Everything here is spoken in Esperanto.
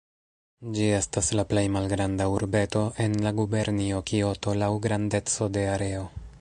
Ĝi estas la plej malgranda urbeto en la gubernio Kioto laŭ grandeco de areo.